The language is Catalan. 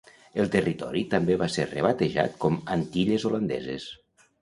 El territori també va ser rebatejat com "Antilles Holandeses".